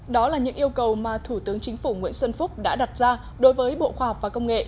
đó là những yêu cầu mà thủ tướng chính phủ nguyễn xuân phúc đã đặt ra đối với bộ khoa học và công nghệ